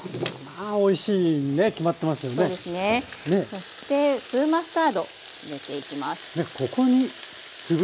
そして粒マスタード入れていきます。